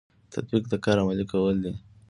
تطبیق د کار عملي کول دي